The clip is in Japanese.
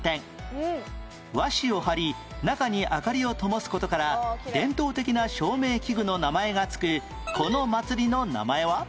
和紙を貼り中に明かりをともす事から伝統的な照明器具の名前が付くこの祭りの名前は？